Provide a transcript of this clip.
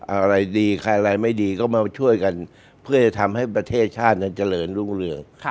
อะไรดีใครอะไรไม่ดีก็มาช่วยกันเพื่อจะทำให้ประเทศชาตินั้นเจริญรุ่งเรือง